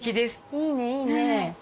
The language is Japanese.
いいねいいね。